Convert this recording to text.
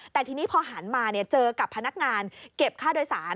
แต่ทีนี้พอหันมาเจอกับพนักงานเก็บค่าโดยสาร